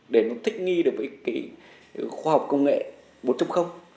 để nó thích nghi được với cái khoa học công nghệ một trong